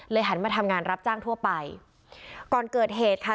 หันมาทำงานรับจ้างทั่วไปก่อนเกิดเหตุค่ะ